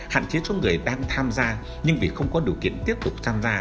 hạn chế số người đang tham gia nhưng vì không có điều kiện tiếp tục tham gia